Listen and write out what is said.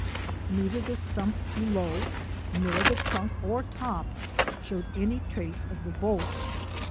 Neither the stump below nor the trunk or top showed any trace of the bolt.